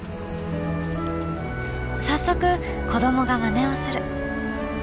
早速子どもがまねをする。